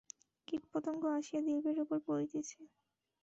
কীট পতঙ্গ আসিয়া দীপের উপর পড়িতেছে।